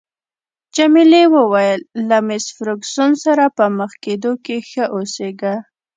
جميلې وويل: له مېس فرګوسن سره په مخ کېدو کې ښه اوسیږه.